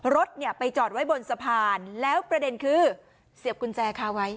รถเนี่ยไปจอดไว้บนสะพานแล้วประเด็นคือเสียบกุญแจคาไว้